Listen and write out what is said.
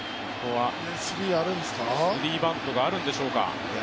スリーバントがあるんでしょうか。